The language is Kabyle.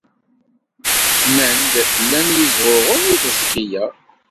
Nnan-d llan yezɣuɣen deg teẓgi-a.